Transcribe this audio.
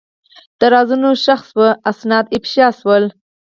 د رازونو ښخ شوي اسناد افشا شول.